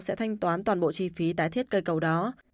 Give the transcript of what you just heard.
sẽ thanh toán toàn bộ chi phí tái thiết cây cầu đó